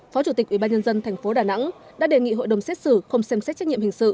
phó chủ tịch ubnd tp đà nẵng đã đề nghị hội đồng xét xử không xem xét trách nhiệm hình sự